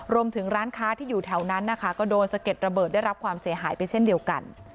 รวมถึงร้านค้าที่อยู่แถวนั้นนะคะก็โดนสะเก็ดระเบิดได้รับความเสียหายไปเช่นเดียวกัน